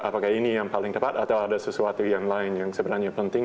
apakah ini yang paling tepat atau ada sesuatu yang lain yang sebenarnya penting